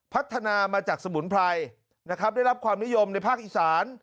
พัฒนามาจากสมุนไพรนะครับได้รับความนิยมในภาคอีสาน